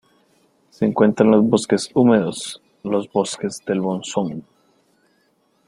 Se encuentra en los bosques húmedos, los bosques del monzón.